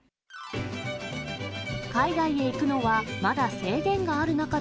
海外へ行くのはまだ制限がある中で、